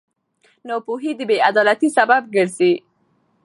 ناپوهي د بېعدالتۍ سبب ګرځي.